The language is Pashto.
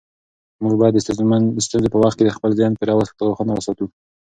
موږ باید د ستونزو په وخت کې خپل ذهن پوره روښانه وساتو.